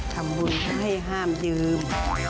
ทำให้ห้ามยืม